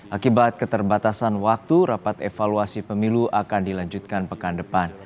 akibat keterbatasan waktu rapat evaluasi pemilu akan dilanjutkan pekan depan